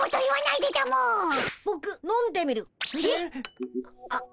えっ。